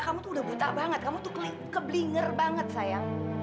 sampai jumpa di video selanjutnya